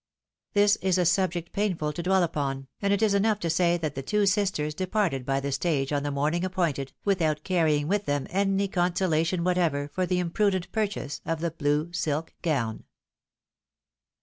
This is a subject painful to dwell upon ; and it is enough to say that the two sisters departed by the stage on the morning appointed, without carrying with them any consolation whatever for the imprudent purchase of the blue silk gown.